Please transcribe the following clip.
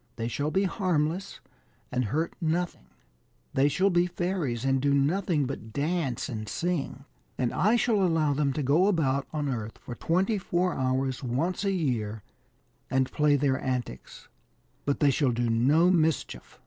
They shall be harmless, and hurt nothing ; they shall be fairies, and 26 Origin of the Welsh. do nothing but dance and sing, and I shall allow them to go about on earth for twenty four hours once a year and play their antics, but they shall do no mischief."